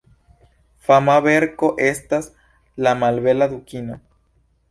Fama verko estas "La malbela dukino".